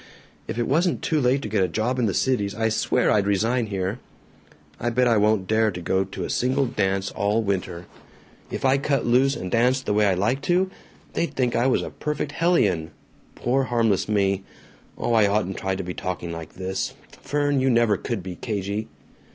If it wasn't too late to get a job in the Cities, I swear I'd resign here. I bet I won't dare to go to a single dance all winter. If I cut loose and danced the way I like to, they'd think I was a perfect hellion poor harmless me! Oh, I oughtn't to be talking like this. Fern, you never could be cagey!"